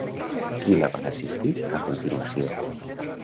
Qui la va assistir a continuació?